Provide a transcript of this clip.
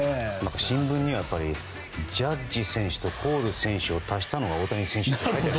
新聞にはジャッジ選手とコール投手を足したのが大谷選手と。